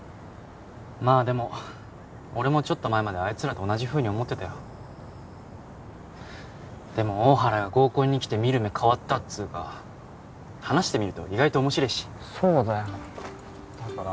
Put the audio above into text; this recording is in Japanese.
まあでも俺もちょっと前まであいつらと同じふうに思ってたよでも大原が合コンに来て見る目変わったっつうか話してみると意外と面白えしそうだよだから